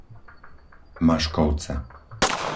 Maškovce